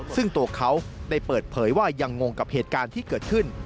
ซึ่งตัวเขาได้เปิดเผยว่ายังงงกับเหตุการณ์ที่เกิดขึ้น